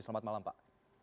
selamat malam pak